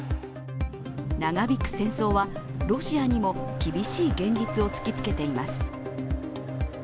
長引く戦争は、ロシアにも厳しい現実を突きつけています。